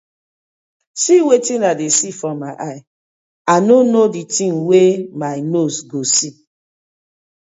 See wetin I dey see for my eye, I no no di tin wey my nose go see.